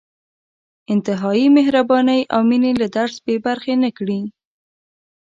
د انتهايي مهربانۍ او مېنې له درس بې برخې نه کړي.